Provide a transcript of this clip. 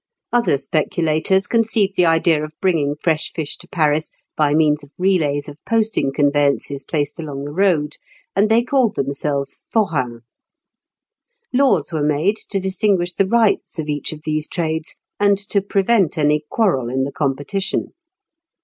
Other speculators conceived the idea of bringing fresh fish to Paris by means of relays of posting conveyances placed along the road, and they called themselves forains. Laws were made to distinguish the rights of each of these trades, and to prevent any quarrel in the competition.